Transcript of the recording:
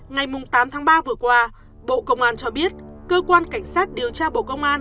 ngày tám tháng ba vừa qua bộ công an cho biết cơ quan cảnh sát điều tra bộ công an